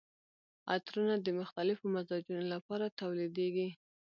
عطرونه د مختلفو مزاجونو لپاره تولیدیږي.